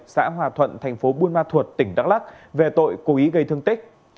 xã hòa thuận thành phố buôn ma thuột tỉnh đắk lắc về tội cố ý gây thương tích